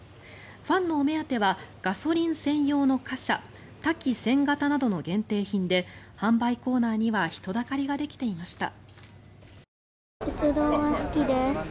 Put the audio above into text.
ファンのお目当てはガソリン専用の貨車タキ１０００形などの限定品で販売コーナーには人だかりができていました。